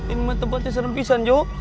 ini mah tempat yang serem pisan jo